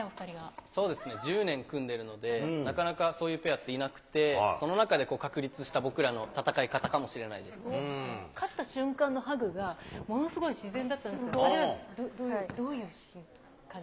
そうですね、１０年組んでるので、なかなかそういうペアっていなくって、その中で確立した僕勝った瞬間のハグが、ものすごい自然だったんですけど、あれはどういう感じ？